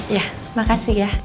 iya makasih ya